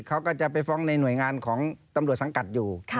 เขาก็จะไปฟ้องในหน่วยงานของตำรวจสังกัดอยู่